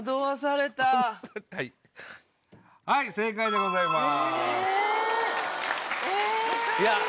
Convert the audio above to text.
はい正解でございます。